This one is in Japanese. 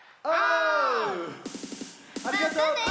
ありがとう！